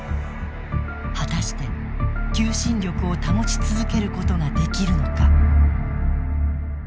果たして、求心力を保ち続けることができるのか。